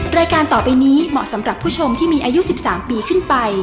รายการต่อไปนี้เหมาะสำหรับผู้ชมที่มีอายุ๑๓ปีขึ้นไป